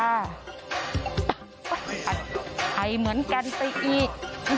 ไอเหมือนกันไปอีก